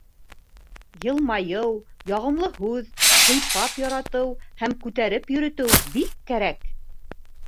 Йылмайыу, яғымлы һүҙ, һыйпап яратыу һәм күтәреп йөрөтөү бик кәрәк.